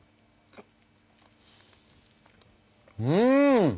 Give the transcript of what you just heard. うん！